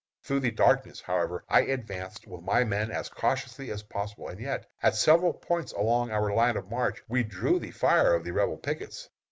Through the darkness, however, I advanced with my men as cautiously as possible, and yet at several points along our line of march we drew the fire of the Rebel pickets.